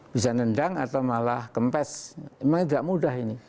bisa nendang atau malah kempes memang tidak mudah ini